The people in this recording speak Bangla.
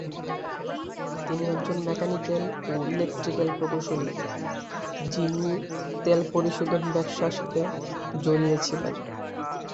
তিনি একজন মেকানিক্যাল ও ইলেকট্রিক্যাল প্রকৌশলী, যিনি তেল পরিশোধন ব্যবসায়ের সাথে জড়িত ছিলেন।